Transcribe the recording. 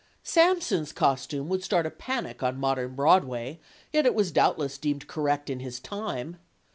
Samson's costume would start a panic on modern Broadway, yet it was doubtless deemed correct in his time.